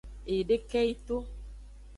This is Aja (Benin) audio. Eyideke yi to.